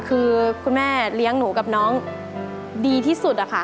คือคุณแม่เลี้ยงหนูกับน้องดีที่สุดอะค่ะ